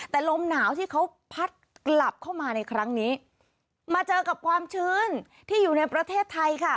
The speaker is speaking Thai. แต่ลมหนาวที่เขาพัดกลับเข้ามาในครั้งนี้มาเจอกับความชื้นที่อยู่ในประเทศไทยค่ะ